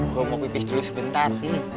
gua mau pipis dulu sebentar